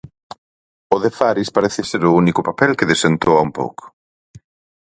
O de Faris parece ser o único papel que desentoa un pouco.